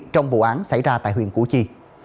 trong vụ án xảy ra tại huyện củ chi